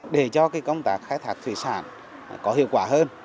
để cho công tác khai thác thủy sản có hiệu quả hơn